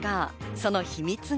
その秘密が。